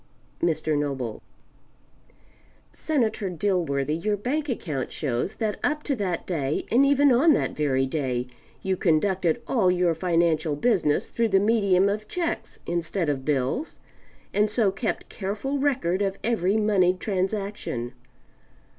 Mr. Noble "Senator Dilworthy, your bank account shows that up to that day, and even on that very day, you conducted all your financial business through the medium of checks instead of bills, and so kept careful record of every moneyed transaction.